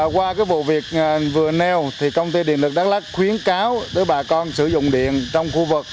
qua cái vụ việc vừa neo thì công ty điện lực đắk lát khuyến cáo đối với bà con sử dụng điện trong khu vực